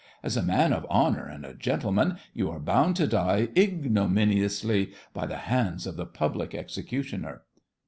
As a man of honour and a gentleman, you are bound to die ignominiously by the hands of the Public Executioner.